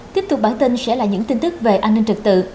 tiếp tục bản tin sẽ là những tin tức về an ninh trật tự